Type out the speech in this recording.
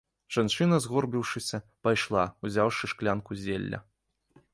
Жанчына, згорбіўшыся, пайшла, узяўшы шклянку зелля.